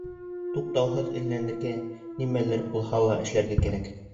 Туҡтауһыҙ эҙләнергә, нимәлер булһа ла эшләргә кәрәк.